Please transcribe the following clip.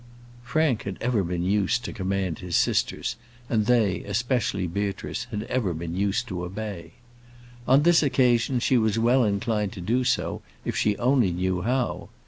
Frank had ever been used to command his sisters: and they, especially Beatrice, had ever been used to obey. On this occasion, she was well inclined to do so, if she only knew how.